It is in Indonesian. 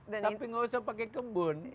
tapi nggak usah pakai kebun